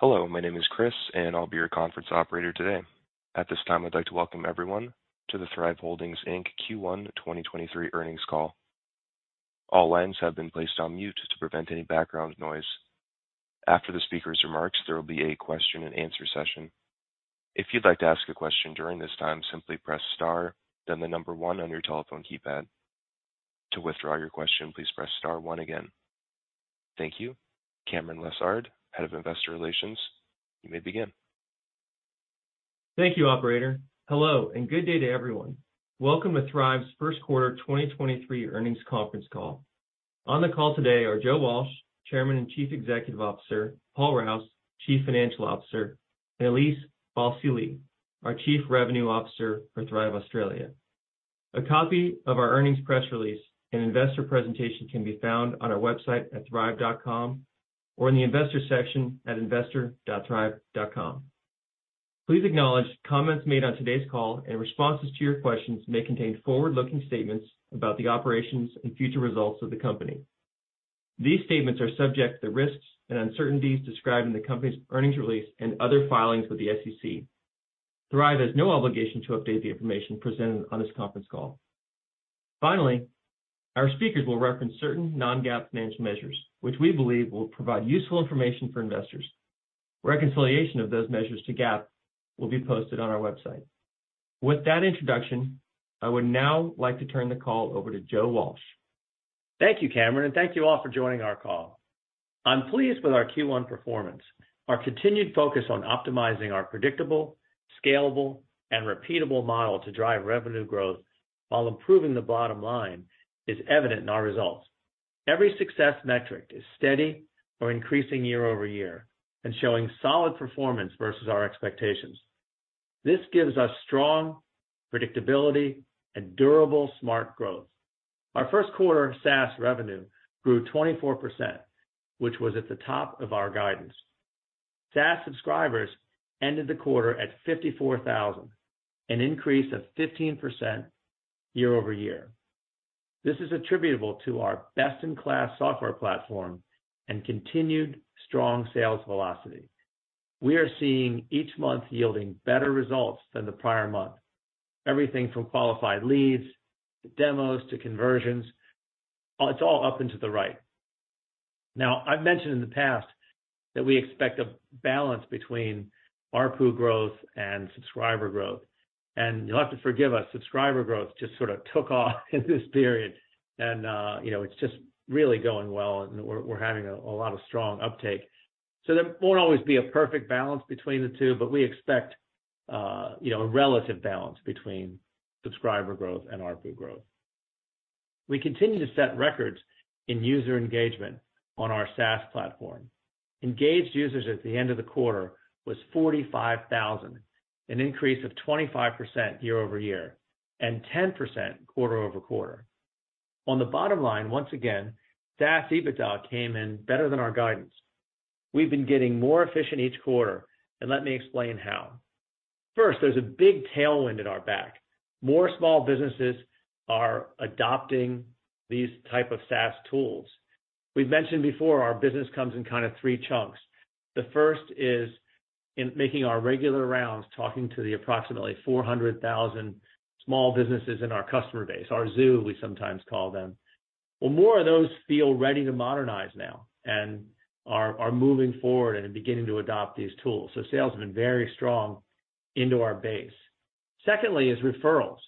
Hello, my name is Chris. I'll be your conference operator today. At this time, I'd like to welcome everyone to the Thryv Holdings Inc Q1 2023 Earnings Call. All lines have been placed on mute to prevent any background noise. After the speaker's remarks, there will be a question-and-answer session. If you'd like to ask a question during this time, simply press star, then the number one on your telephone keypad. To withdraw your question, please press star one again. Thank you. Cameron Lessard, Head of Investor Relations, you may begin. Thank you, operator. Hello, good day to everyone. Welcome to Thryv's first quarter 2023 earnings conference call. On the call today are Joe Walsh, Chairman and Chief Executive Officer, Paul Rouse, Chief Financial Officer, and Elise Balsillie, our Chief Revenue Officer for Thryv Australia. A copy of our earnings press release and investor presentation can be found on our website at thryv.com or in the investor section at investor.thryv.com. Please acknowledge comments made on today's call and responses to your questions may contain forward-looking statements about the operations and future results of the company. These statements are subject to the risks and uncertainties described in the company's earnings release and other filings with the SEC. Thryv has no obligation to update the information presented on this conference call. Finally, our speakers will reference certain non-GAAP managed measures, which we believe will provide useful information for investors. Reconciliation of those measures to GAAP will be posted on our website. With that introduction, I would now like to turn the call over to Joe Walsh. Thank you, Cameron, and thank you all for joining our call. I'm pleased with our Q1 performance. Our continued focus on optimizing our predictable, scalable, and repeatable model to drive revenue growth while improving the bottom line is evident in our results. Every success metric is steady or increasing year-over-year and showing solid performance versus our expectations. This gives us strong predictability and durable smart growth. Our first quarter SaaS revenue grew 24%, which was at the top of our guidance. SaaS subscribers ended the quarter at 54,000, an increase of 15% year-over-year. This is attributable to our best-in-class software platform and continued strong sales velocity. We are seeing each month yielding better results than the prior month. Everything from qualified leads to demos to conversions, it's all up into the right. I've mentioned in the past that we expect a balance between ARPU growth and subscriber growth. You'll have to forgive us, subscriber growth just sort of took off in this period, you know, it's just really going well, and we're having a lot of strong uptake. There won't always be a perfect balance between the two, but we expect, you know, a relative balance between subscriber growth and ARPU growth. We continue to set records in user engagement on our SaaS platform. Engaged users at the end of the quarter was 45,000, an increase of 25% year-over-year, and 10% quarter-over-quarter. On the bottom line, once again, SaaS EBITDA came in better than our guidance. We've been getting more efficient each quarter, and let me explain how. First, there's a big tailwind at our back. More small businesses are adopting these type of SaaS tools. We've mentioned before our business comes in kind of three chunks. The first is in making our regular rounds, talking to the approximately 400,000 small businesses in our customer base, our zoo, we sometimes call them. More of those feel ready to modernize now and are moving forward and beginning to adopt these tools. Sales have been very strong into our base. Secondly is referrals.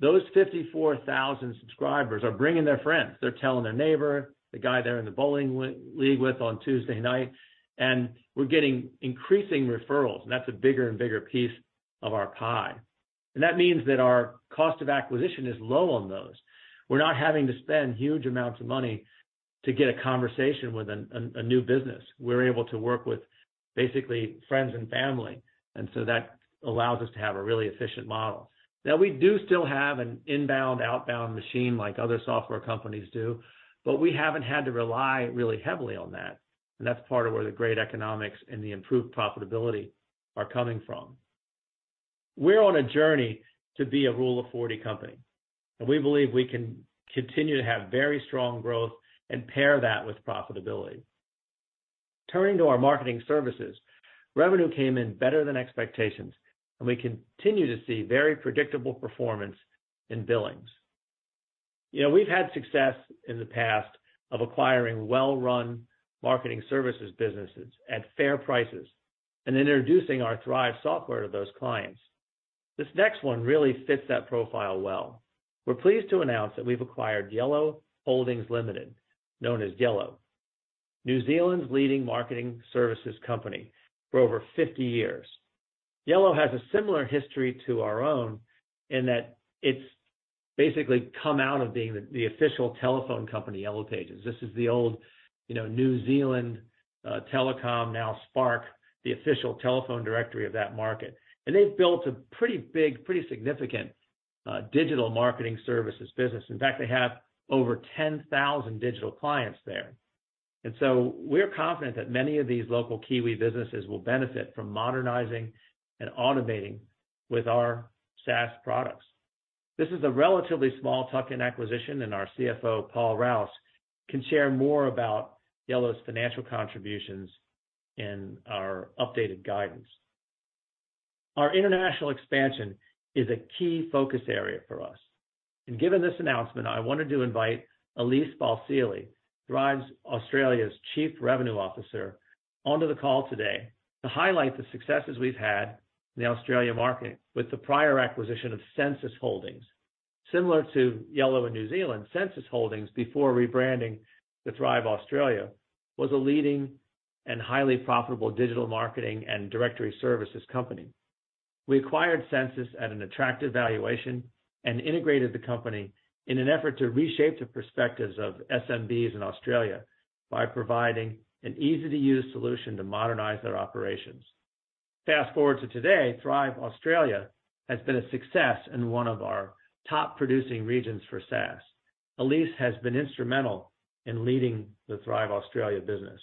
Those 54,000 subscribers are bringing their friends. They're telling their neighbor, the guy they're in the bowling league with on Tuesday night, and we're getting increasing referrals, and that's a bigger and bigger piece of our pie. That means that our cost of acquisition is low on those. We're not having to spend huge amounts of money to get a conversation with a new business. We're able to work with basically friends and family. That allows us to have a really efficient model. Now, we do still have an inbound, outbound machine like other software companies do, but we haven't had to rely really heavily on that. That's part of where the great economics and the improved profitability are coming from. We're on a journey to be a Rule of 40 company, and we believe we can continue to have very strong growth and pair that with profitability. Turning to our marketing services, revenue came in better than expectations, and we continue to see very predictable performance in billings. You know, we've had success in the past of acquiring well-run marketing services businesses at fair prices and introducing our Thryv software to those clients. This next one really fits that profile well. We're pleased to announce that we've acquired Yellow Holdings Limited, known as Yellow, New Zealand's leading marketing services company for over 50 years. Yellow has a similar history to our own in that it's basically come out of being the official telephone company, Yellow Pages. This is the old, you know, New Zealand telecom, now Spark, the official telephone directory of that market. They've built a pretty big, pretty significant digital marketing services business. In fact, they have over 10,000 digital clients there. We're confident that many of these local Kiwi businesses will benefit from modernizing and automating with our SaaS products. This is a relatively small tuck-in acquisition, our CFO, Paul Rouse, can share more about Yellow's financial contributions in our updated guidance. Our international expansion is a key focus area for us. Given this announcement, I wanted to invite Elise Balsillie, Thryv Australia's Chief Revenue Officer, onto the call today to highlight the successes we've had in the Australia market with the prior acquisition of Sensis Holdings. Similar to Yellow in New Zealand, Sensis Holdings, before rebranding to Thryv Australia, was a leading and highly profitable digital marketing and directory services company. We acquired Sensis at an attractive valuation and integrated the company in an effort to reshape the perspectives of SMBs in Australia by providing an easy-to-use solution to modernize their operations. Fast-forward to today, Thryv Australia has been a success in one of our top producing regions for SaaS. Elise has been instrumental in leading the Thryv Australia business.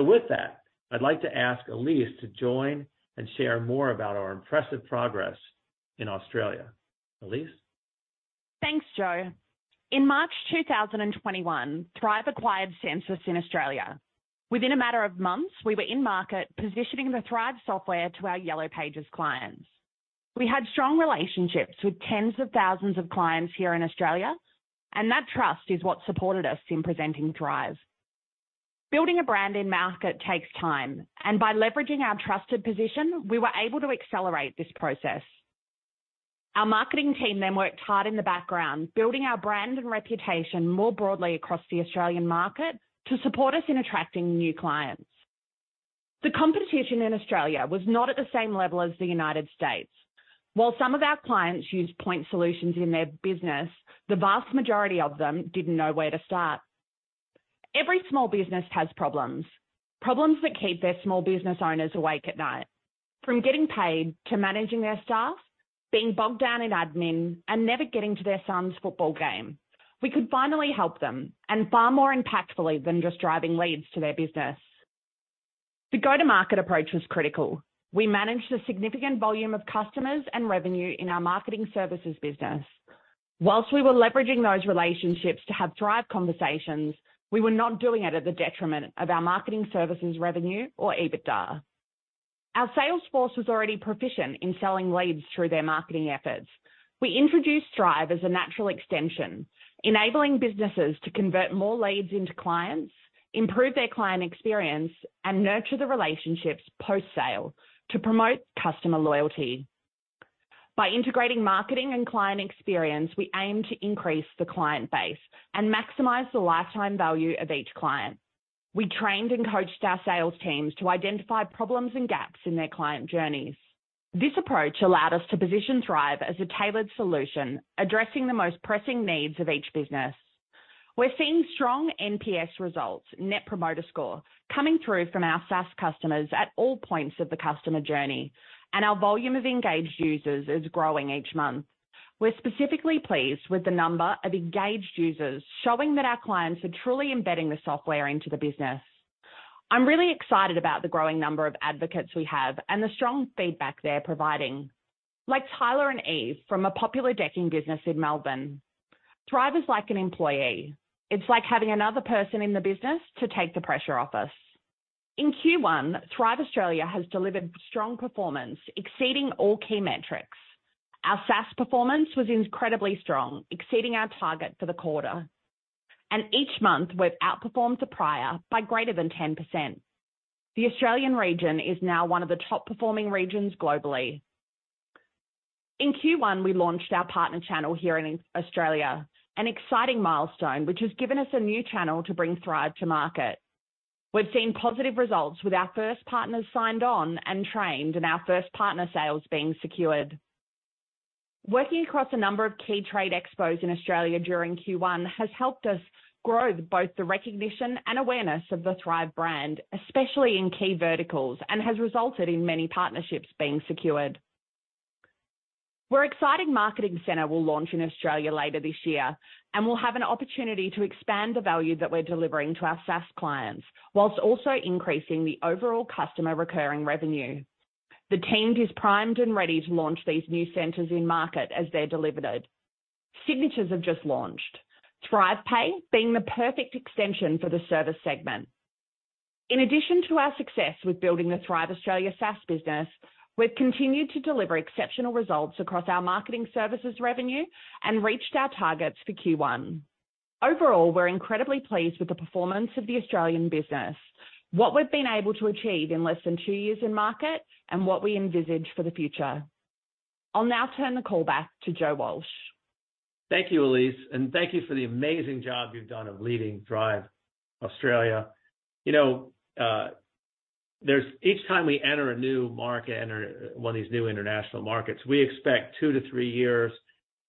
With that, I'd like to ask Elise to join and share more about our impressive progress in Australia. Elise. Thanks, Joe. In March 2021, Thryv acquired Sensis in Australia. Within a matter of months, we were in market positioning the Thryv software to our Yellow Pages clients. We had strong relationships with tens of thousands of clients here in Australia, and that trust is what supported us in presenting Thryv. Building a brand in-market takes time, and by leveraging our trusted position, we were able to accelerate this process. Our marketing team then worked hard in the background, building our brand and reputation more broadly across the Australian market to support us in attracting new clients. The competition in Australia was not at the same level as the United States. While some of our clients used point solutions in their business, the vast majority of them didn't know where to start. Every small business has problems that keep their small business owners awake at night, from getting paid to managing their staff, being bogged down in admin and never getting to their son's football game. We could finally help them, and far more impactfully than just driving leads to their business. The go-to-market approach was critical. We managed a significant volume of customers and revenue in our marketing services business. While we were leveraging those relationships to have Thryv conversations, we were not doing it at the detriment of our marketing services revenue or EBITDA. Our sales force was already proficient in selling leads through their marketing efforts. We introduced Thryv as a natural extension, enabling businesses to convert more leads into clients, improve their client experience, and nurture the relationships post-sale to promote customer loyalty. By integrating marketing and client experience, we aim to increase the client base and maximize the lifetime value of each client. We trained and coached our sales teams to identify problems and gaps in their client journeys. This approach allowed us to position Thryv as a tailored solution, addressing the most pressing needs of each business. We're seeing strong NPS results, Net Promoter Score, coming through from our SaaS customers at all points of the customer journey, and our volume of engaged users is growing each month. We're specifically pleased with the number of engaged users, showing that our clients are truly embedding the software into the business. I'm really excited about the growing number of advocates we have and the strong feedback they're providing. Like Tyler and Eve from a popular decking business in Melbourne. Thryv is like an employee. It's like having another person in the business to take the pressure off us. In Q1, Thryv Australia has delivered strong performance, exceeding all key metrics. Our SaaS performance was incredibly strong, exceeding our target for the quarter. Each month we've outperformed the prior by greater than 10%. The Australian region is now one of the top-performing regions globally. In Q1, we launched our partner channel here in Australia, an exciting milestone which has given us a new channel to bring Thryv to market. We've seen positive results with our first partners signed on and trained, and our first partner sales being secured. Working across a number of key trade expos in Australia during Q1 has helped us grow both the recognition and awareness of the Thryv brand, especially in key verticals, and has resulted in many partnerships being secured. We're exciting Marketing Center will launch in Australia later this year, We'll have an opportunity to expand the value that we're delivering to our SaaS clients, whilst also increasing the overall customer recurring revenue. The team is primed and ready to launch these new centers in market as they're delivered. Thryv Signatures have just launched, ThryvPay being the perfect extension for the service segment. In addition to our success with building the Thryv Australia SaaS business, we've continued to deliver exceptional results across our marketing services revenue and reached our targets for Q1. Overall, we're incredibly pleased with the performance of the Australian business, what we've been able to achieve in less than two years in market, and what we envisage for the future. I'll now turn the call back to Joe Walsh. Thank you, Elise, thank you for the amazing job you've done of leading Thryv Australia. You know, each time we enter a new market, enter one of these new international markets, we expect two to three years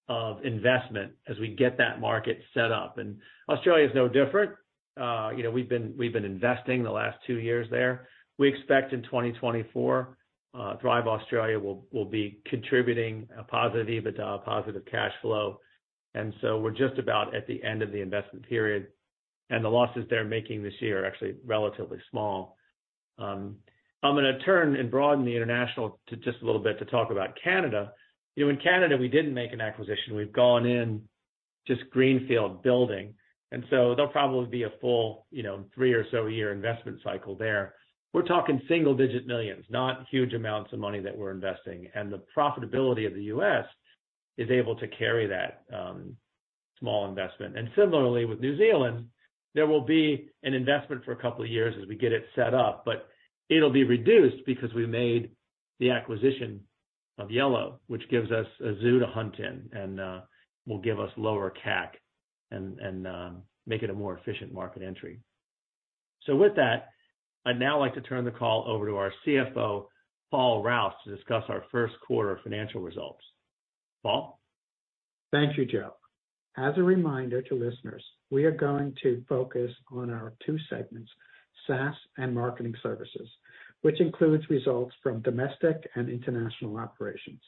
of investment as we get that market set up, and Australia is no different. You know, we've been investing the last two years there. We expect in 2024, Thryv Australia will be contributing a positive EBITDA, a positive cash flow. We're just about at the end of the investment period, and the losses they're making this year are actually relatively small. I'm gonna turn and broaden the international to just a little bit to talk about Canada. You know, in Canada, we didn't make an acquisition. We've gone in just greenfield building. There'll probably be a full, you know, three or so year investment cycle there. We're talking single-digit millions, not huge amounts of money that we're investing. The profitability of the U.S. is able to carry that small investment. Similarly, with New Zealand, there will be an investment for a couple of years as we get it set up, but it'll be reduced because we made the acquisition of Yellow, which gives us a zoo to hunt in and will give us lower CAC and make it a more efficient market entry. With that, I'd now like to turn the call over to our CFO, Paul Rouse, to discuss our first quarter financial results. Paul? Thank you, Joe. As a reminder to listeners, we are going to focus on our two segments, SaaS and marketing services, which includes results from domestic and international operations.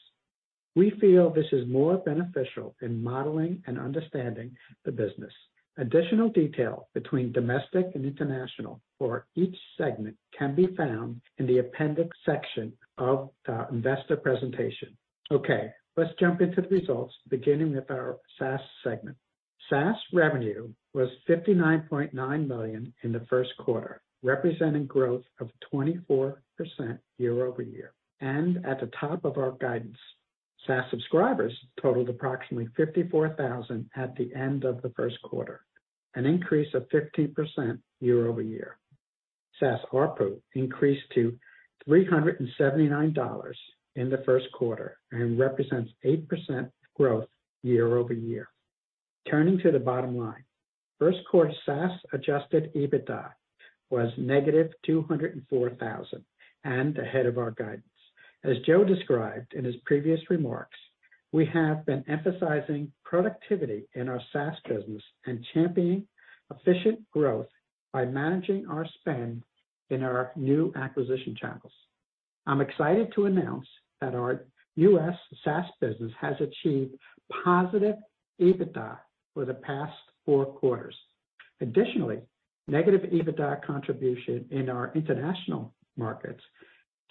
We feel this is more beneficial in modeling and understanding the business. Additional detail between domestic and international for each segment can be found in the appendix section of the investor presentation. Okay, let's jump into the results, beginning with our SaaS segment. SaaS revenue was $59.9 million in the first quarter, representing growth of 24% year-over-year, and at the top of our guidance. SaaS subscribers totaled approximately 54,000 at the end of the first quarter, an increase of 15% year-over-year. SaaS ARPU increased to $379 in the first quarter and represents 8% growth year-over-year. Turning to the bottom line. First quarter SaaS adjusted EBITDA was -$204,000 and ahead of our guidance. As Joe described in his previous remarks, we have been emphasizing productivity in our SaaS business and championing efficient growth by managing our spend in our new acquisition channels. I'm excited to announce that our U.S. SaaS business has achieved positive EBITDA for the past four quarters. Additionally, negative EBITDA contribution in our international markets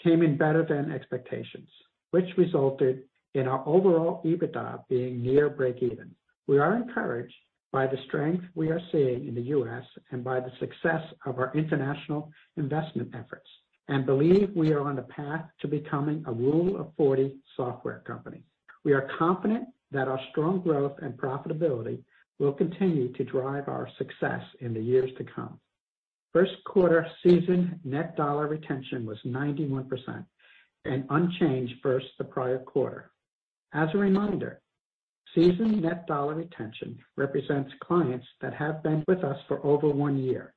came in better than expectations, which resulted in our overall EBITDA being near breakeven. We are encouraged by the strength we are seeing in the U.S. and by the success of our international investment efforts, and believe we are on the path to becoming a Rule of 40 software company. We are confident that our strong growth and profitability will continue to drive our success in the years to come. First quarter Seasoned Net Dollar Retention was 91% and unchanged versus the prior quarter. As a reminder, Seasoned Net Dollar Retention represents clients that have been with us for over one year.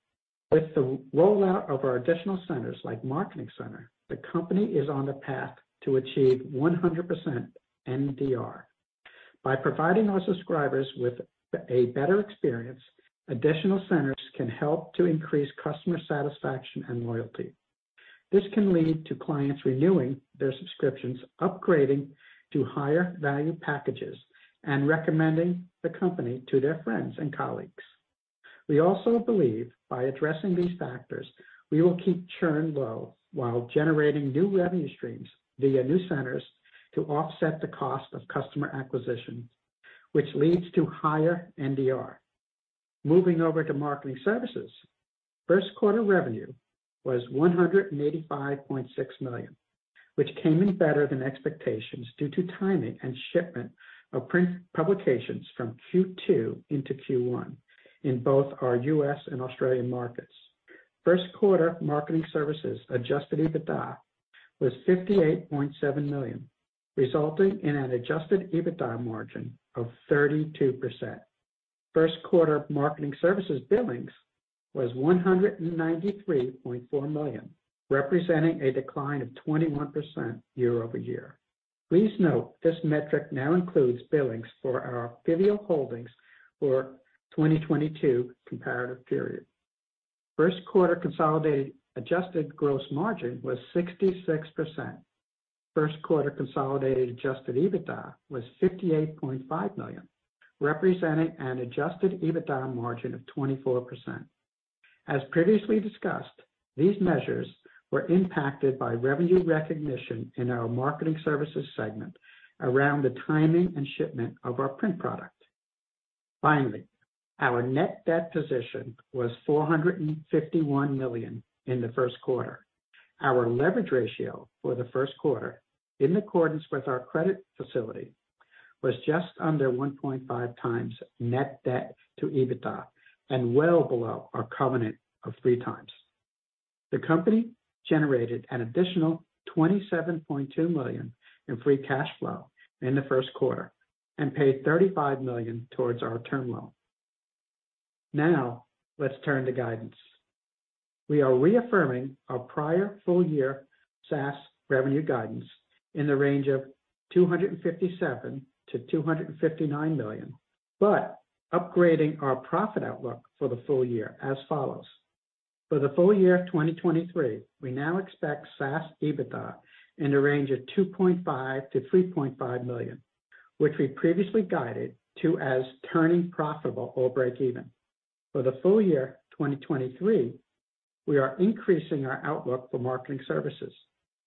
With the rollout of our additional centers like Marketing Center, the company is on the path to achieve 100% NDR. By providing our subscribers with a better experience, additional centers can help to increase customer satisfaction and loyalty. This can lead to clients renewing their subscriptions, upgrading to higher value packages, and recommending the company to their friends and colleagues. We also believe by addressing these factors, we will keep churn low while generating new revenue streams via new centers to offset the cost of customer acquisition, which leads to higher NDR. Moving over to marketing services. First quarter revenue was $185.6 million, which came in better than expectations due to timing and shipment of print publications from Q2 into Q1 in both our U.S. and Australian markets. First quarter marketing services adjusted EBITDA was $58.7 million, resulting in an adjusted EBITDA margin of 32%. First quarter marketing services billings was $193.4 million, representing a decline of 21% year-over-year. Please note this metric now includes billings for our Vivial Holdings for 2022 comparative period. First quarter consolidated adjusted gross margin was 66%. First quarter consolidated adjusted EBITDA was $58.5 million, representing an adjusted EBITDA margin of 24%. As previously discussed, these measures were impacted by revenue recognition in our marketing services segment around the timing and shipment of our print product. Our net debt position was $451 million in the first quarter. Our leverage ratio for the first quarter, in accordance with our credit facility, was just under 1.5x net debt to EBITDA and well below our covenant of 3x. The company generated an additional $27.2 million in free cash flow in the first quarter and paid $35 million towards our term loan. Let's turn to guidance. We are reaffirming our prior full year SaaS revenue guidance in the range of $257 million-$259 million, upgrading our profit outlook for the full year as follows. For the full year of 2023, we now expect SaaS EBITDA in the range of $2.5 million-$3.5 million, which we previously guided to as turning profitable or breakeven. For the full year 2023, we are increasing our outlook for marketing services.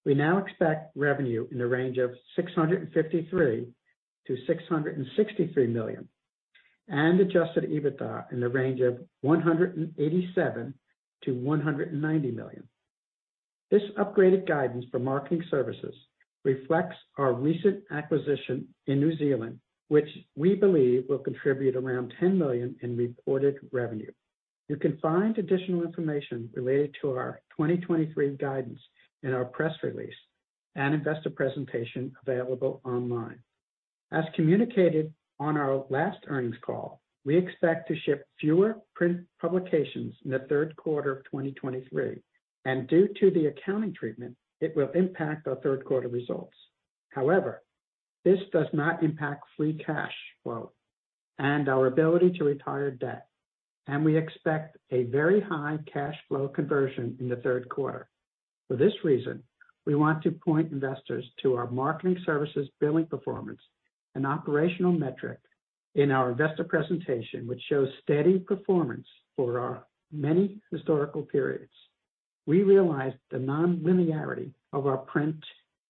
We now expect revenue in the range of $653 million-$663 million, and adjusted EBITDA in the range of $187 million-$190 million. This upgraded guidance for marketing services reflects our recent acquisition in New Zealand, which we believe will contribute around $10 million in reported revenue. You can find additional information related to our 2023 guidance in our press release and investor presentation available online. As communicated on our last earnings call, we expect to ship fewer print publications in the third quarter of 2023, and due to the accounting treatment, it will impact our third quarter results. However, this does not impact free cash flow and our ability to retire debt, and we expect a very high cash flow conversion in the third quarter. For this reason, we want to point investors to our marketing services billing performance and operational metric in our investor presentation, which shows steady performance for our many historical periods. We realize the non-linearity of our print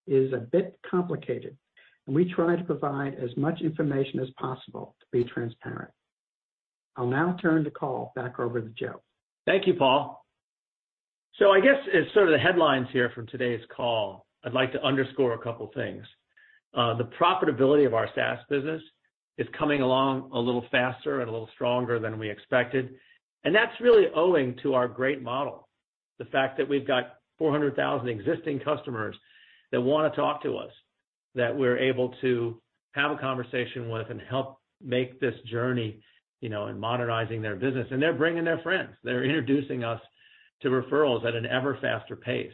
is a bit complicated, and we try to provide as much information as possible to be transparent. I'll now turn the call back over to Joe. Thank you, Paul. I guess as sort of the headlines here from today's call, I'd like to underscore a couple things. The profitability of our SaaS business is coming along a little faster and a little stronger than we expected, and that's really owing to our great model. The fact that we've got 400,000 existing customers that wanna talk to us, that we're able to have a conversation with and help make this journey, you know, in modernizing their business. They're bringing their friends. They're introducing us to referrals at an ever-faster pace.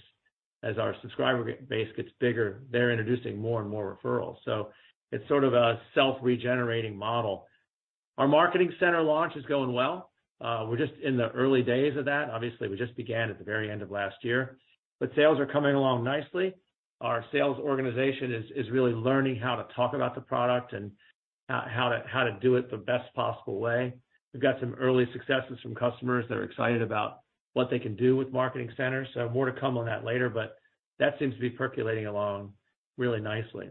As our subscriber base gets bigger, they're introducing more and more referrals. It's sort of a self-regenerating model. Our Marketing Center launch is going well. We're just in the early days of that. Obviously, we just began at the very end of last year, but sales are coming along nicely. Our sales organization is really learning how to talk about the product and how to do it the best possible way. We've got some early successes from customers that are excited about what they can do with marketing centers, so more to come on that later, but that seems to be percolating along really nicely.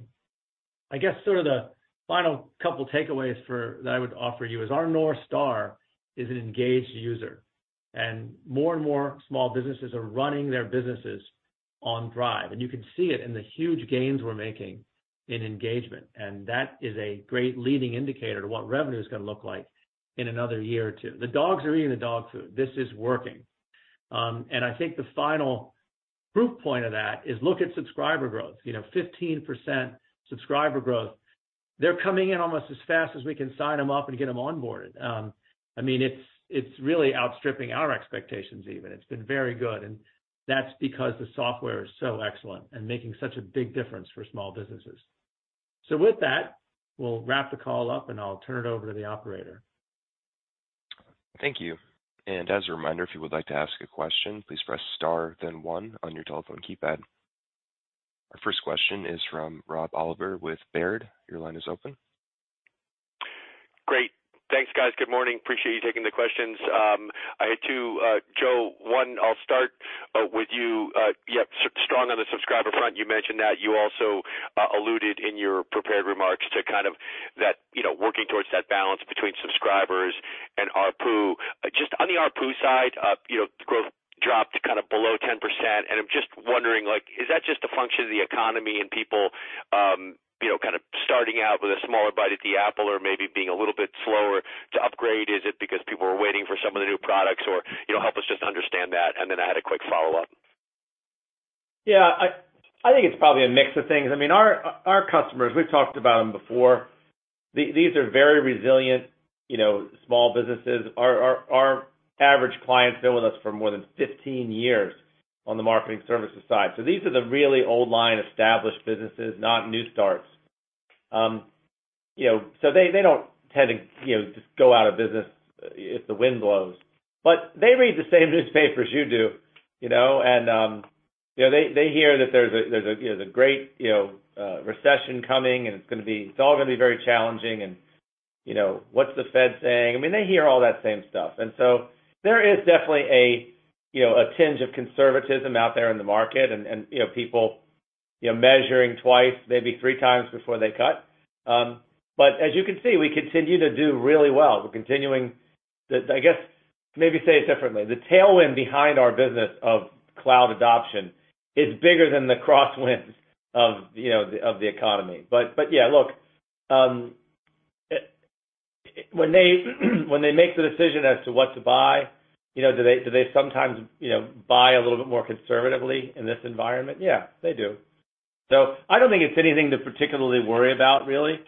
I guess sort of the final couple takeaways that I would offer you is our North Star is an engaged user, more and more small businesses are running their businesses on Thryv. You can see it in the huge gains we're making in engagement, and that is a great leading indicator to what revenue is gonna look like in another year or two. The dogs are eating the dog food. This is working. I think the final proof point of that is look at subscriber growth. You know, 15% subscriber growth. They're coming in almost as fast as we can sign them up and get them onboarded. I mean, it's really outstripping our expectations even. It's been very good, and that's because the software is so excellent and making such a big difference for small businesses. With that, we'll wrap the call up, and I'll turn it over to the operator. Thank you. As a reminder, if you would like to ask a question, please press star then one on your telephone keypad. Our first question is from Rob Oliver with Baird. Your line is open. Great. Thanks, guys. Good morning. Appreciate you taking the questions. I had two, Joe, one, I'll start with you. Yeah, strong on the subscriber front, you mentioned that you also alluded in your prepared remarks to kind of that, you know, working towards that balance between subscribers and ARPU. Just on the ARPU side, you know, growth dropped kind of below 10%, and I'm just wondering, like, is that just a function of the economy and people, you know, kind of starting out with a smaller bite at the apple or maybe being a little bit slower to upgrade? Is it because people are waiting for some of the new products or, you know, help us just understand that. I had a quick follow-up. Yeah. I think it's probably a mix of things. I mean, our customers, we've talked about them before. These are very resilient, you know, small businesses. Our average client's been with us for more than 15 years on the marketing services side. These are the really old line established businesses, not new starts. you know, so they don't tend to, you know, just go out of business if the wind blows. They read the same newspapers you do, you know, and, you know, they hear that there's a, you know, there's a great, you know, recession coming, and it's all gonna be very challenging and, you know, what's the Fed saying? I mean, they hear all that same stuff. There is definitely a, you know, a tinge of conservatism out there in the market and, you know, people, you know, measuring twice, maybe 3x before they cut. As you can see, we continue to do really well. We're continuing I guess, maybe say it differently. The tailwind behind our business of cloud adoption is bigger than the crosswinds of, you know, of the economy. Yeah, look, when they make the decision as to what to buy, you know, do they sometimes, you know, buy a little bit more conservatively in this environment? Yeah, they do. I don't think it's anything to particularly worry about really.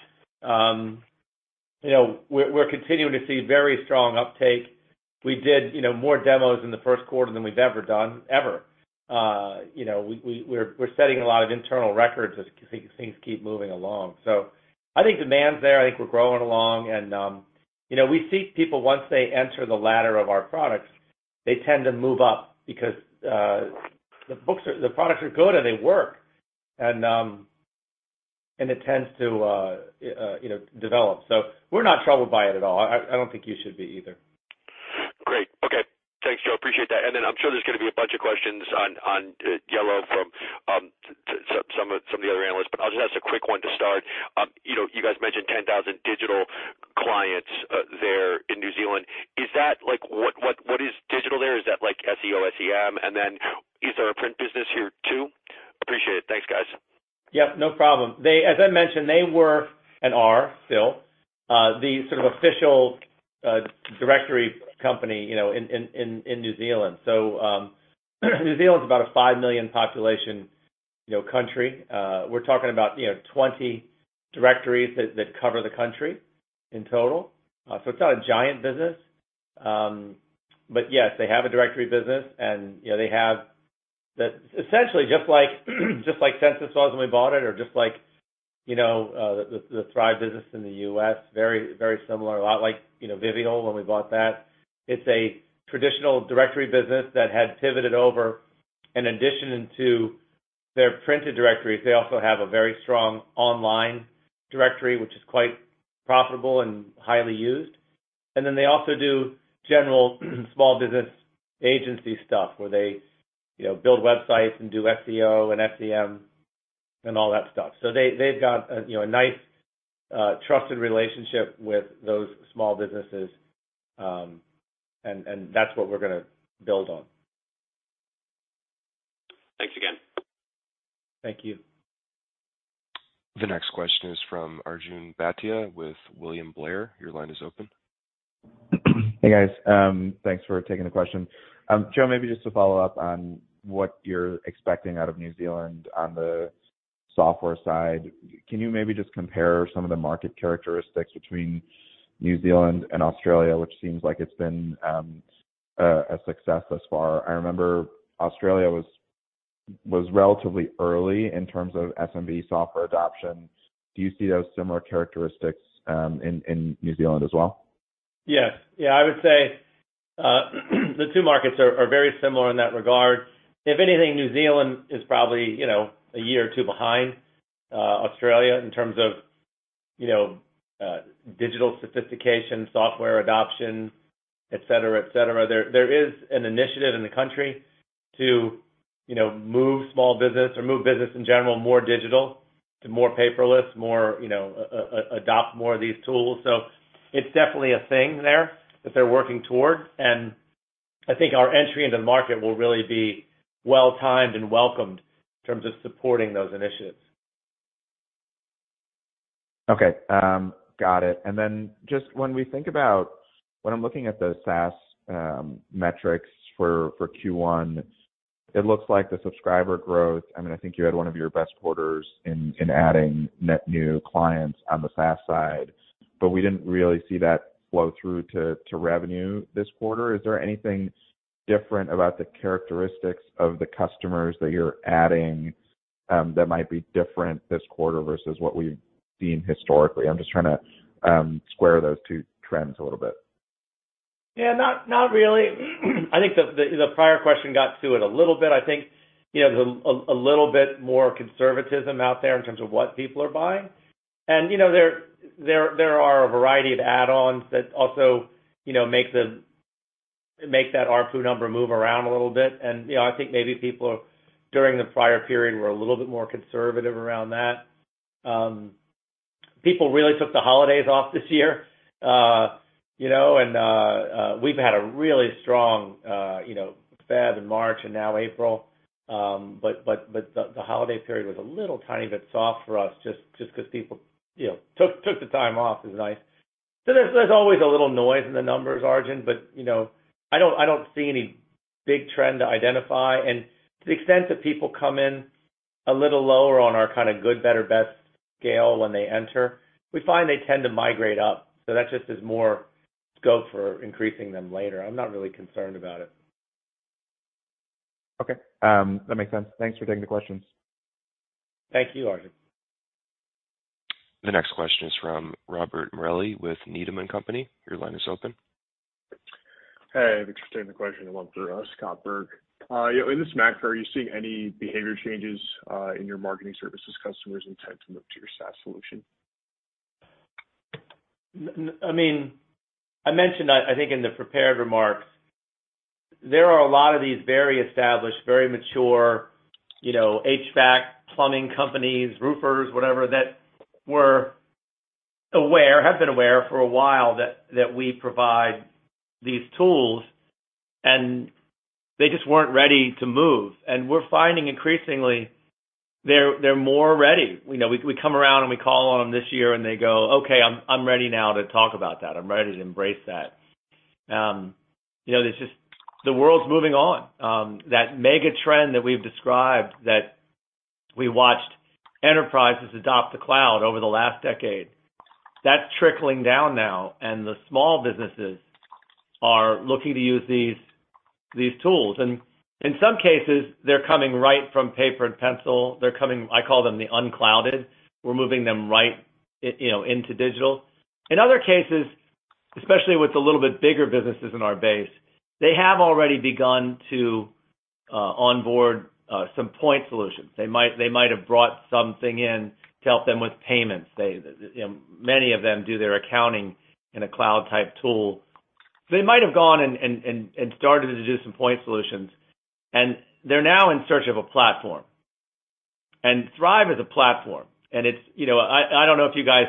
You know, we're continuing to see very strong uptake. We did, you know, more demos in the first quarter than we've ever done, ever. You know, we're setting a lot of internal records as things keep moving along. I think demand's there. I think we're growing along and, you know, we see people once they enter the ladder of our products, they tend to move up because the products are good, and they work. And it tends to, you know, develop. We're not troubled by it at all. I don't think you should be either. Great. Okay. Thanks, Joe. Appreciate that. I'm sure there's gonna be a bunch of questions on Yellow from some of the other analysts, but I'll just ask a quick one to start. You know, you guys mentioned 10,000 digital clients there in New Zealand. Like what is digital there? Is that like SEO, SEM? Is there a print business here too? Appreciate it. Thanks, guys. Yep, no problem. As I mentioned, they were and are still, the sort of official directory company, you know, in New Zealand. New Zealand's about a 5 million population, you know, country. We're talking about, you know, 20 directories that cover the country in total. It's not a giant business. Yes, they have a directory business, and, you know, they have the Essentially just like Sensis was when we bought it or just like, you know, the Thryv business in the US, very, very similar. A lot like, you know, Vivial when we bought that. It's a traditional directory business that had pivoted over. In addition to their printed directories, they also have a very strong online directory, which is quite profitable and highly used. They also do general small business agency stuff where they, you know, build websites and do SEO and SEM and all that stuff. They've got a, you know, a nice trusted relationship with those small businesses. And that's what we're gonna build on. Thanks again. Thank you. The next question is from Arjun Bhatia with William Blair. Your line is open. Hey, guys. Thanks for taking the question. Joe, maybe just to follow up on what you're expecting out of New Zealand on the software side. Can you maybe just compare some of the market characteristics between New Zealand and Australia, which seems like it's been a success thus far? I remember Australia was relatively early in terms of SMB software adoption. Do you see those similar characteristics in New Zealand as well? Yeah, I would say, the two markets are very similar in that regard. If anything, New Zealand is probably, you know, a year or two behind Australia in terms of, you know, digital sophistication, software adoption, et cetera, et cetera. There is an initiative in the country to, you know, move small business or move business in general more digital, to more paperless, more, you know, adopt more of these tools. It's definitely a thing there that they're working toward, and I think our entry into the market will really be well-timed and welcomed in terms of supporting those initiatives. Okay. Got it. Just when we think about when I'm looking at the SaaS metrics for Q1, it looks like the subscriber growth, I mean, I think you had one of your best quarters in adding net new clients on the SaaS side, but we didn't really see that flow through to revenue this quarter. Is there anything different about the characteristics of the customers that you're adding that might be different this quarter versus what we've seen historically? I'm just trying to square those two trends a little bit. Yeah. Not really. I think the prior question got to it a little bit. I think, you know, there's a little bit more conservatism out there in terms of what people are buying. You know, there are a variety of add-ons that also, you know, make that ARPU number move around a little bit. You know, I think maybe people during the prior period were a little bit more conservative around that. People really took the holidays off this year, you know, and we've had a really strong, you know, Feb and March and now April. The holiday period was a little tiny bit soft for us 'cause people, you know, took the time off. It was nice. There's always a little noise in the numbers, Arjun, but, you know, I don't see any big trend to identify. To the extent that people come in a little lower on our kinda good, better, best scale when they enter, we find they tend to migrate up. That just is more scope for increasing them later. I'm not really concerned about it. Okay. That makes sense. Thanks for taking the questions. Thank you, Arjun. The next question is from Robert Morelli with Needham & Company. Your line is open. Hey, thanks for taking the question. I'm going through, Scott Berg. You know, in this macro, are you seeing any behavior changes in your marketing services customers in terms of look to your SaaS solution? I mean, I mentioned, I think in the prepared remarks, there are a lot of these very established, very mature, you know, HVAC, plumbing companies, roofers, whatever, that were aware, have been aware for a while that we provide these tools, and they just weren't ready to move. We're finding increasingly they're more ready. You know, we come around, and we call on them this year, and they go, "Okay, I'm ready now to talk about that. I'm ready to embrace that." you know, it's just the world's moving on. That mega trend that we've described We watched enterprises adopt the cloud over the last decade. That's trickling down now, and the small businesses are looking to use these tools. In some cases, they're coming right from paper and pencil. I call them the unclouded. We're moving them right, you know, into digital. In other cases, especially with the little bit bigger businesses in our base, they have already begun to onboard some point solutions. They might have brought something in to help them with payments. They, you know, many of them do their accounting in a cloud-type tool. They might have gone and started to do some point solutions, and they're now in search of a platform. Thryv is a platform, and it's, you know, I don't know if you guys,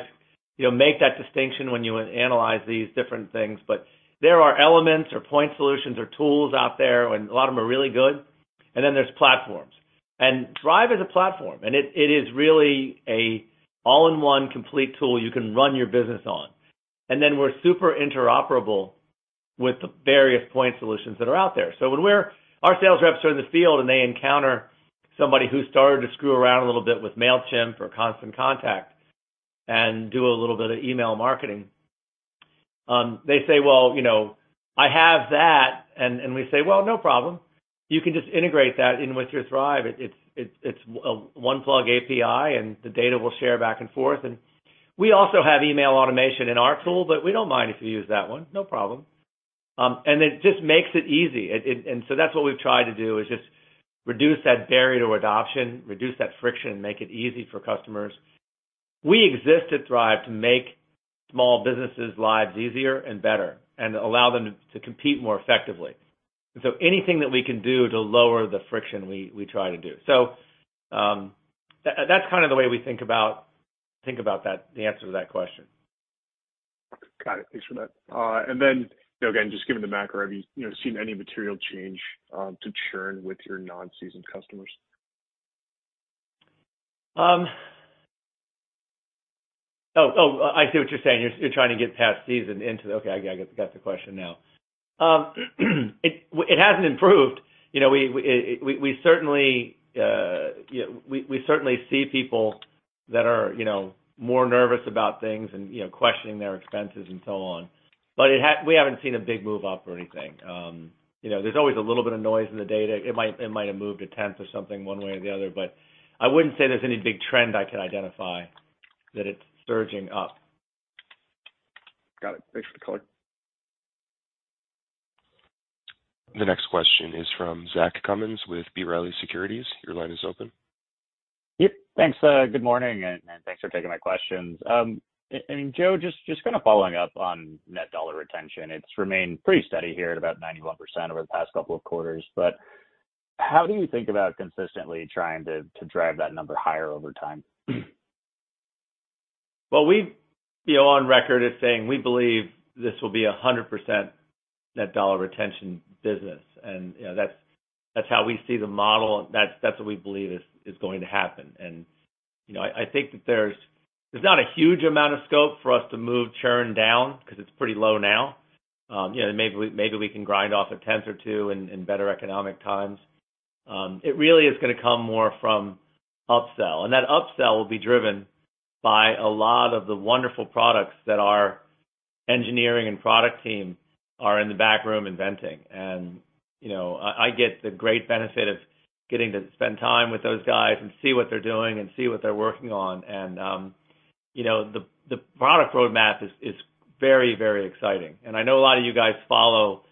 you know, make that distinction when you analyze these different things, but there are elements or point solutions or tools out there, and a lot of them are really good, and then there's platforms. Thryv is a platform, and it is really a all-in-one complete tool you can run your business on. We're super interoperable with the various point solutions that are out there. When our sales reps are in the field and they encounter somebody who started to screw around a little bit with Mailchimp or Constant Contact and do a little bit of email marketing, they say, "Well, you know, I have that." We say, "Well, no problem. You can just integrate that in with your Thryv. It's, it's a one plug API, and the data will share back and forth. We also have email automation in our tool, but we don't mind if you use that one. No problem." It just makes it easy. That's what we've tried to do is just reduce that barrier to adoption, reduce that friction, make it easy for customers. We exist at Thryv to make small businesses' lives easier and better and allow them to compete more effectively. Anything that we can do to lower the friction, we try to do. That's kind of the way we think about that, the answer to that question. Got it. Thanks for that. You know, again, just given the macro, have you know, seen any material change to churn with your non-seasoned customers? Oh, I see what you're saying. You're trying to get past season into... Okay, I got the question now. It hasn't improved. You know, we certainly, you know, we certainly see people that are, you know, more nervous about things and, you know, questioning their expenses and so on. We haven't seen a big move up or anything. You know, there's always a little bit of noise in the data. It might have moved a tenth or something one way or the other, but I wouldn't say there's any big trend I could identify that it's surging up. Got it. Thanks for the color. The next question is from Zach Cummins with B. Riley Securities. Your line is open. Yep. Thanks. Good morning, and thanks for taking my questions. Joe, just kind of following up on Net Dollar Retention. It's remained pretty steady here at about 91% over the past couple of quarters, but how do you think about consistently trying to drive that number higher over time? Well, we, you know, on record is saying we believe this will be a 100% Net Dollar Retention business. you know, that's how we see the model. That's, that's what we believe is going to happen. you know, I think that there's not a huge amount of scope for us to move churn down 'cause it's pretty low now. you know, maybe we can grind off a tenth or two in better economic times. It really is gonna come more from upsell. That upsell will be driven by a lot of the wonderful products that our engineering and product team are in the back room inventing. you know, I get the great benefit of getting to spend time with those guys and see what they're doing and see what they're working on. You know, the product roadmap is very, very exciting. I know a lot of you guys follow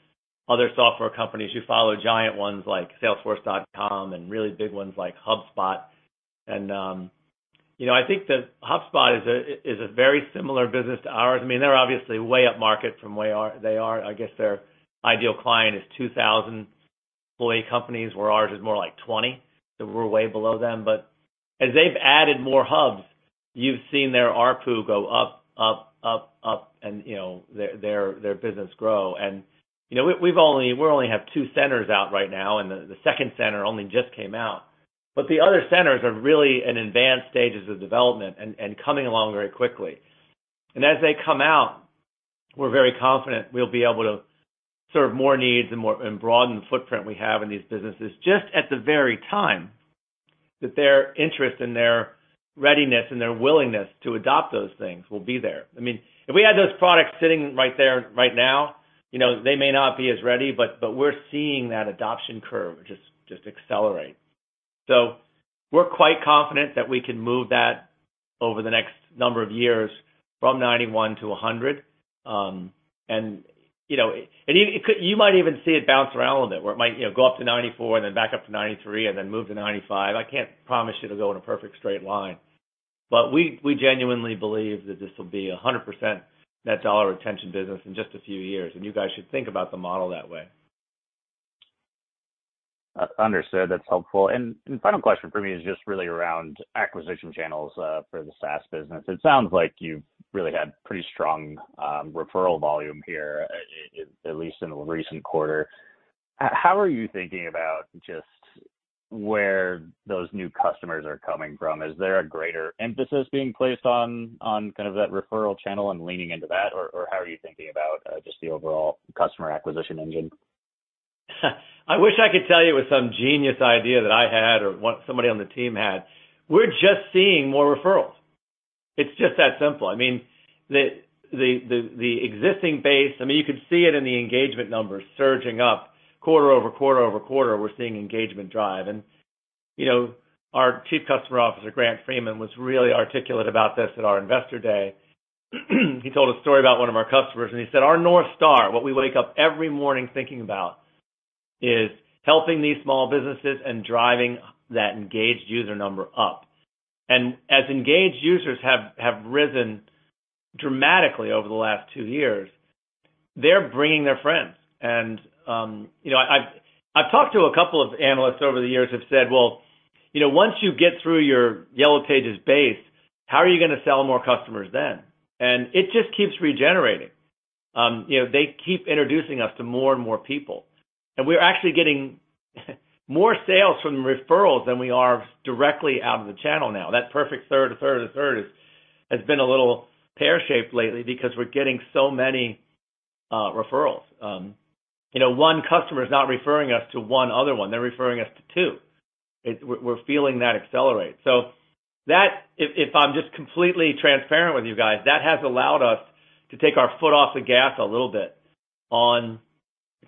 other software companies. You follow giant ones like Salesforce.com and really big ones like HubSpot. You know, I think that HubSpot is a very similar business to ours. I mean, they're obviously way upmarket from where they are. I guess their ideal client is 2,000 employee companies, where ours is more like 20. We're way below them. As they've added more hubs, you've seen their ARPU go up, and, you know, their business grow. You know, we only have two centers out right now, and the second center only just came out. The other centers are really in advanced stages of development and coming along very quickly. As they come out, we're very confident we'll be able to serve more needs and broaden the footprint we have in these businesses just at the very time that their interest and their readiness and their willingness to adopt those things will be there. I mean, if we had those products sitting right there right now, you know, they may not be as ready, but we're seeing that adoption curve just accelerate. We're quite confident that we can move that over the next number of years from 91 to 100. You know, you might even see it bounce around a little bit, where it might, you know, go up to 94 and then back up to 93 and then move to 95. I can't promise you it'll go in a perfect straight line. We genuinely believe that this will be a 100% Net Dollar Retention business in just a few years, and you guys should think about the model that way. understood. That's helpful. Final question for me is just really around acquisition channels, for the SaaS business. It sounds like you've really had pretty strong, referral volume here, at least in the recent quarter. How are you thinking about just where those new customers are coming from? Is there a greater emphasis being placed on kind of that referral channel and leaning into that? How are you thinking about, just the overall customer acquisition engine? I wish I could tell you it was some genius idea that I had or somebody on the team had. We're just seeing more referrals. It's just that simple. I mean, the existing base, I mean, you could see it in the engagement numbers surging up quarter-over-quarter-over-quarter, we're seeing engagement drive. You know, our Chief Customer Officer, Grant Freeman, was really articulate about this at our Investor Day. He told a story about one of our customers, and he said, "Our North Star, what we wake up every morning thinking about, is helping these small businesses and driving that engaged user number up." As engaged users have risen dramatically over the last two years, they're bringing their friends. You know, I've talked to two analysts over the years who have said, "Well, you know, once you get through your Yellow Pages base, how are you gonna sell more customers then?" It just keeps regenerating. You know, they keep introducing us to more and more people. We're actually getting more sales from referrals than we are directly out of the channel now. That perfect third, third has been a little pear-shaped lately because we're getting so many referrals. You know, one customer is not referring us to one other one, they're referring us to two. We're feeling that accelerate. If I'm just completely transparent with you guys, that has allowed us to take our foot off the gas a little bit on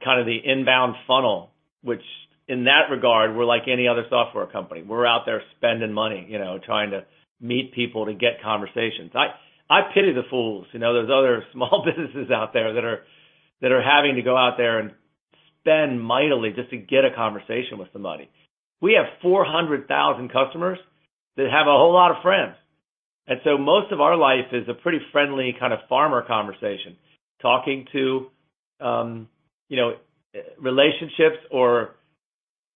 kind of the inbound funnel, which in that regard, we're like any other software company. We're out there spending money, you know, trying to meet people to get conversations. I pity the fools, you know, those other small businesses out there that are having to go out there and spend mightily just to get a conversation with somebody. We have 400,000 customers that have a whole lot of friends. Most of our life is a pretty friendly kind of farmer conversation, talking to, you know,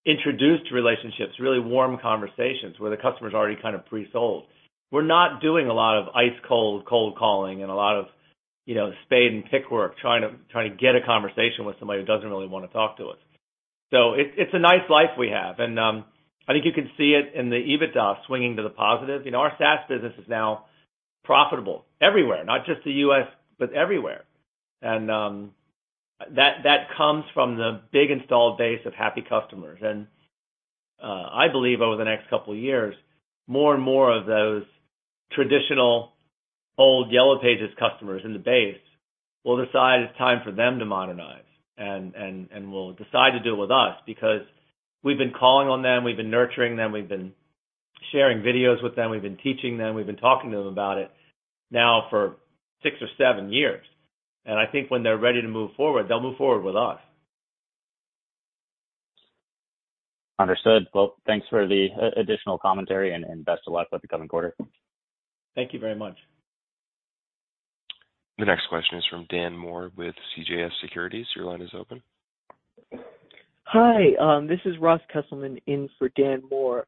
relationships or introduced relationships, really warm conversations where the customer is already kind of pre-sold. We're not doing a lot of ice cold calling and a lot of, you know, spade and pick work, trying to get a conversation with somebody who doesn't really wanna talk to us. It's a nice life we have. I think you can see it in the EBITDA swinging to the positive. You know, our SaaS business is now profitable everywhere, not just the U.S., but everywhere. That comes from the big installed base of happy customers. I believe over the next two years, more and more of those traditional old Yellow Pages customers in the base will decide it's time for them to modernize and will decide to do it with us because we've been calling on them, we've been nurturing them, we've been sharing videos with them, we've been teaching them, we've been talking to them about it now for six or seven years. I think when they're ready to move forward, they'll move forward with us. Understood. Well, thanks for the additional commentary and best of luck with the coming quarter. Thank you very much. The next question is from Dan Moore with CJS Securities. Your line is open. Hi. This is Ross Kesselman in for Dan Moore.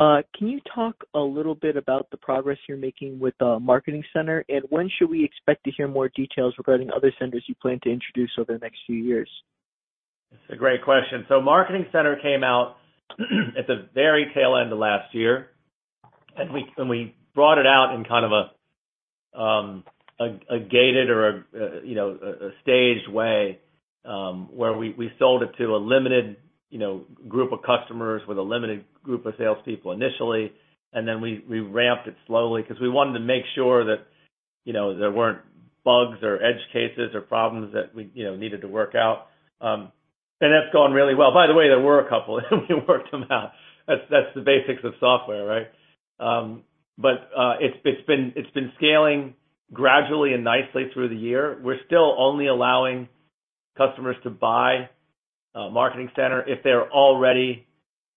Can you talk a little bit about the progress you're making with the Marketing Center, and when should we expect to hear more details regarding other centers you plan to introduce over the next few years? It's a great question. Marketing Center came out at the very tail end of last year, and we brought it out in kind of a gated or a, you know, a staged way, where we sold it to a limited, you know, group of customers with a limited group of salespeople initially, and then we ramped it slowly because we wanted to make sure that, you know, there weren't bugs or edge cases or problems that we, you know, needed to work out. That's gone really well. By the way, there were a couple, and we worked them out. That's the basics of software, right? It's been scaling gradually and nicely through the year. We're still only allowing customers to buy Marketing Center if they're already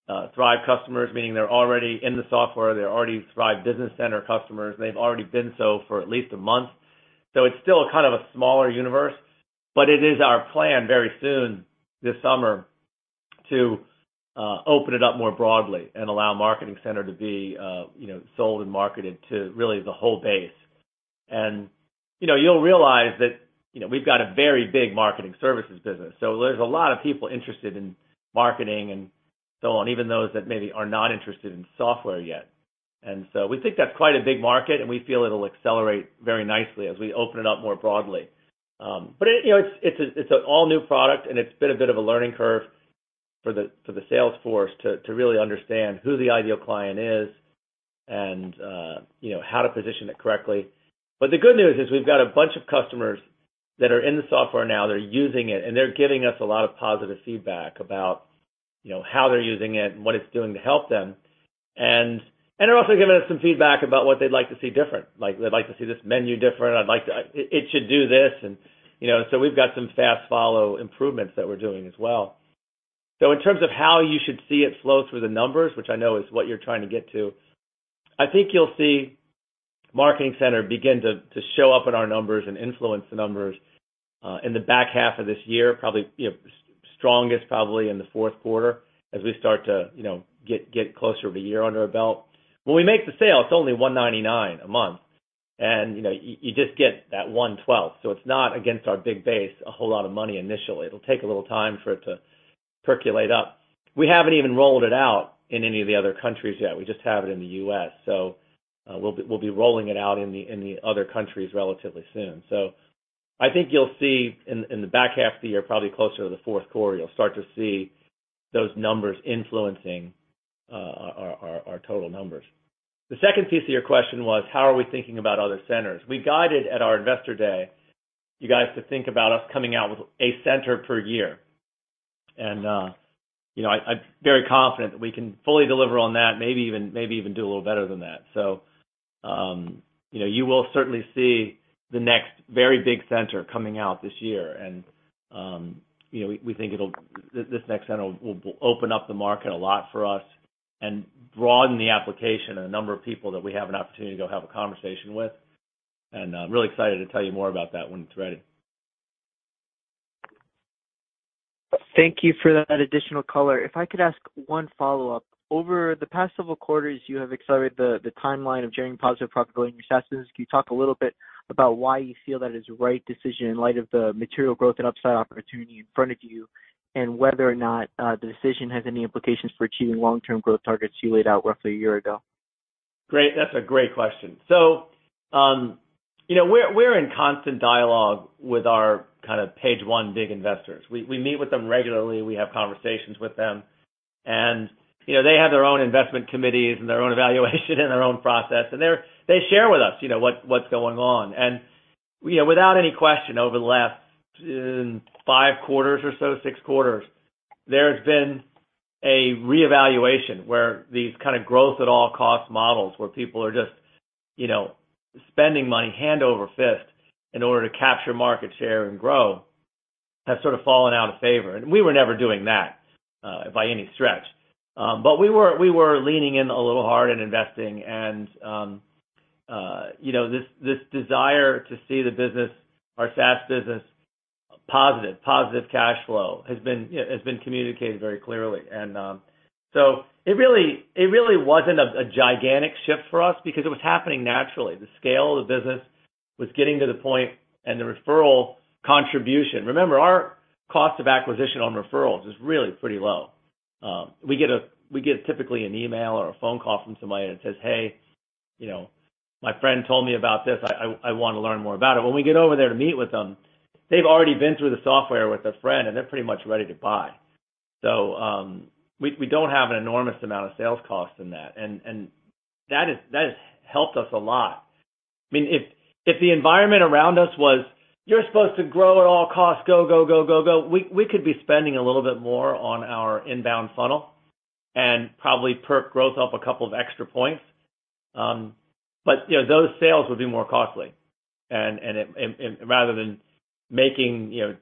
Thryv customers, meaning they're already in the software, they're already Thryv Business Center customers, they've already been so for at least a month. It's still kind of a smaller universe, but it is our plan very soon this summer to open it up more broadly and allow Marketing Center to be, you know, sold and marketed to really the whole base. You know, you'll realize that, you know, we've got a very big marketing services business. There's a lot of people interested in marketing and so on, even those that maybe are not interested in software yet. We think that's quite a big market, and we feel it'll accelerate very nicely as we open it up more broadly. You know, it's an all-new product, and it's been a bit of a learning curve for the sales force to really understand who the ideal client is and, you know, how to position it correctly. The good news is we've got a bunch of customers that are in the software now, they're using it, and they're giving us a lot of positive feedback about, you know, how they're using it and what it's doing to help them. They're also giving us some feedback about what they'd like to see different. Like, they'd like to see this menu different. It should do this. You know, we've got some fast follow improvements that we're doing as well. In terms of how you should see it flow through the numbers, which I know is what you're trying to get to, I think you'll see Marketing Center begin to show up in our numbers and influence the numbers in the back half of this year, probably, you know, strongest probably in the fourth quarter as we start to, you know, get closer of a year under our belt. When we make the sale, it's only $199 a month. You know, you just get that 1/12. It's not against our big base, a whole lot of money initially. It'll take a little time for it to percolate up. We haven't even rolled it out in any of the other countries yet. We just have it in the US. We'll be rolling it out in any other countries relatively soon. I think you'll see in the back half of the year, probably closer to the fourth quarter, you'll start to see those numbers influencing our total numbers. The second piece of your question was, how are we thinking about other centers? We guided at our investor day, you guys to think about us coming out with a center per year. You know, I'm very confident that we can fully deliver on that, maybe even do a little better than that. You know, you will certainly see the next very big center coming out this year. you know, we think this next center will open up the market a lot for us and broaden the application and the number of people that we have an opportunity to go have a conversation with. really excited to tell you more about that when it's ready. Thank you for that additional color. If I could ask one follow-up. Over the past several quarters, you have accelerated the timeline of generating positive profitability in your SaaS business. Can you talk a little bit about why you feel that is the right decision in light of the material growth and upside opportunity in front of you, and whether or not the decision has any implications for achieving long-term growth targets you laid out roughly a year ago? Great. That's a great question. You know, we're in constant dialogue with our kind of page one big investors. We, we meet with them regularly. We have conversations with them. You know, they have their own investment committees and their own evaluation and their own process, and they share with us, you know, what's going on. You know, without any question, over the last, five quarters or so, six quarters, there's been a reevaluation where these kind of growth at all costs models, where people are just, you know, spending money hand over fist in order to capture market share and grow, have sort of fallen out of favor. We were never doing that, by any stretch. We were leaning in a little hard in investing and, you know, this desire to see the business, our SaaS business positive cash flow has been communicated very clearly. It really wasn't a gigantic shift for us because it was happening naturally. The scale of the business was getting to the point and the referral contribution. Remember, our cost of acquisition on referrals is really pretty low. We get typically an email or a phone call from somebody that says, "Hey, you know, my friend told me about this. I wanna learn more about it." When we get over there to meet with them, they've already been through the software with a friend, and they're pretty much ready to buy. We don't have an enormous amount of sales costs in that. That has helped us a lot. I mean, if the environment around us was, "You're supposed to grow at all costs, go, go, go," we could be spending a little bit more on our inbound funnel and probably perk growth up a couple of extra points. You know, those sales would be more costly. Rather than making, you know,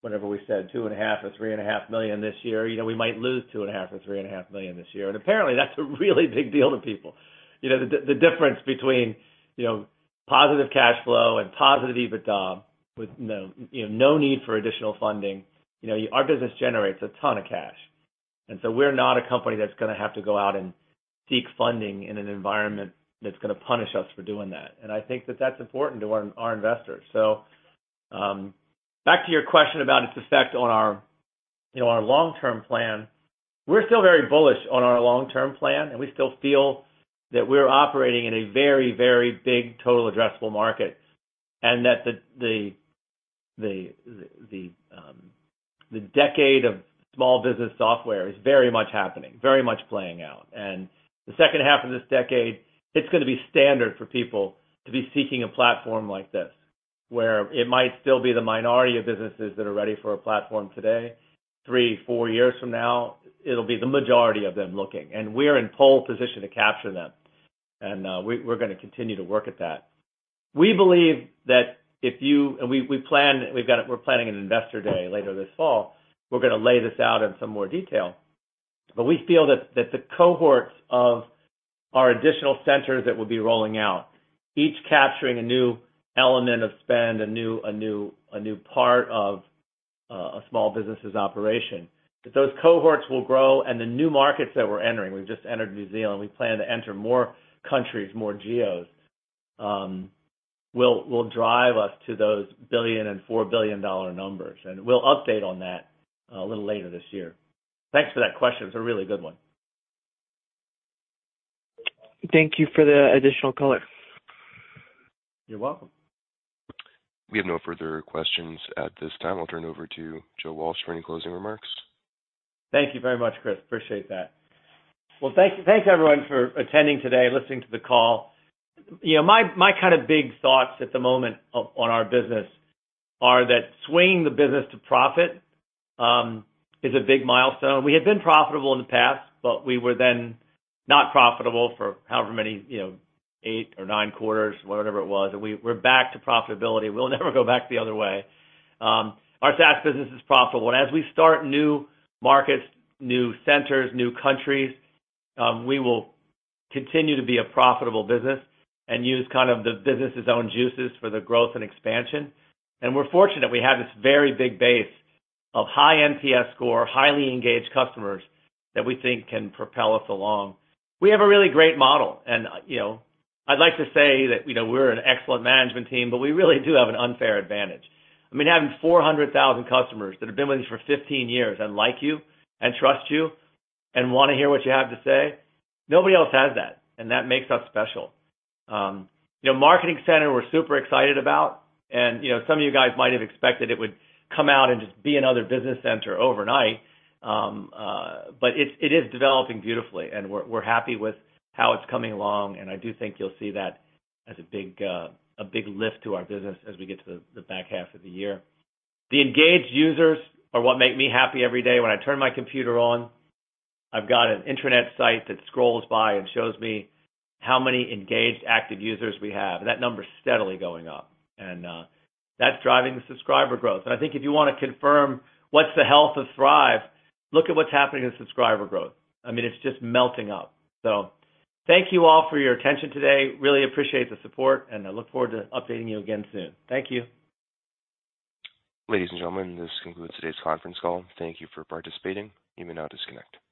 whatever we said, $2.5 million or $3.5 million this year, you know, we might lose $2.5 million or $3.5 million this year. Apparently, that's a really big deal to people. You know, the difference between, you know, positive cash flow and positive EBITDA with no, you know, no need for additional funding. You know, our business generates a ton of cash. So we're not a company that's gonna have to go out and seek funding in an environment that's gonna punish us for doing that. I think that that's important to our investors. So, back to your question about its effect on our, you know, our long-term plan. We're still very bullish on our long-term plan, and we still feel that we're operating in a very, very big total addressable market, and that the decade of small business software is very much happening, very much playing out. The second half of this decade, it's gonna be standard for people to be seeking a platform like this, where it might still be the minority of businesses that are ready for a platform today. Three, four years from now, it'll be the majority of them looking. We're in pole position to capture them. We're gonna continue to work at that. We believe that we're planning an investor day later this fall. We're gonna lay this out in some more detail. We feel that the cohorts of our additional centers that we'll be rolling out, each capturing a new element of spend, a new part of a small business' operation, that those cohorts will grow. The new markets that we're entering, we've just entered New Zealand, we plan to enter more countries, more geos, will drive us to those $1 billion and $4 billion numbers. We'll update on that a little later this year. Thanks for that question. It's a really good one. Thank you for the additional color. You're welcome. We have no further questions at this time. I'll turn it over to Joe Walsh for any closing remarks. Thank you very much, Chris. Appreciate that. Thank everyone for attending today and listening to the call. You know, my kinda big thoughts at the moment on our business are that swinging the business to profit is a big milestone. We had been profitable in the past, but we were then not profitable for however many, you know, eight or nine quarters, whatever it was. We're back to profitability. We'll never go back the other way. Our SaaS business is profitable. As we start new markets, new centers, new countries, we will continue to be a profitable business and use kind of the business' own juices for the growth and expansion. We're fortunate we have this very big base of high NPS score, highly engaged customers that we think can propel us along. We have a really great model and, you know, I'd like to say that, you know, we're an excellent management team, but we really do have an unfair advantage. I mean, having 400,000 customers that have been with you for 15 years and like you and trust you and wanna hear what you have to say, nobody else has that, and that makes us special. You know, Marketing Center, we're super excited about. You know, some of you guys might have expected it would come out and just be another Business Center overnight. It is developing beautifully, and we're happy with how it's coming along. I do think you'll see that as a big, a big lift to our business as we get to the back half of the year. The engaged users are what make me happy every day. When I turn my computer on, I've got an intranet site that scrolls by and shows me how many engaged, active users we have. That number is steadily going up, and that's driving the subscriber growth. I think if you wanna confirm what's the health of Thryv, look at what's happening in subscriber growth. I mean, it's just melting up. Thank you all for your attention today. Really appreciate the support, and I look forward to updating you again soon. Thank you. Ladies and gentlemen, this concludes today's conference call. Thank you for participating. You may now disconnect.